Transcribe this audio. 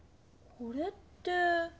これって。